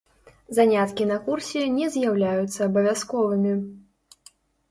Заняткі на курсе не з'яўляюцца абавязковымі.